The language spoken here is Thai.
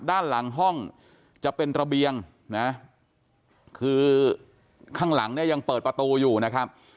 ด้านหลังห้องจะเป็นระเบียงนะคือข้างหลังเนี่ยยังเปิดประตูอยู่นะครับ